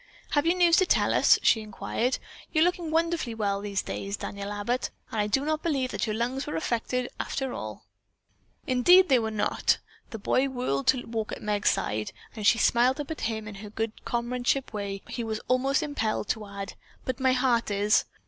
"Have you news to tell us?" she inquired. "You're looking wonderfully well these days, Daniel Abbott. I do not believe that your lungs were affected, after all." "Indeed, they were not!" The boy whirled to walk at Meg's side, and as she smiled up at him in her good comradeship way, he was almost impelled to add, "But my heart is."